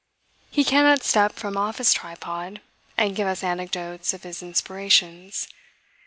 He cannot step from off his tripod, and give us anecdotes of his inspirations.